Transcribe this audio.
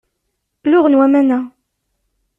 Luɣen waman-a.